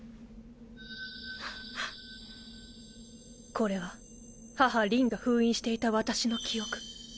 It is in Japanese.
これは母りんが封印していた私の記憶。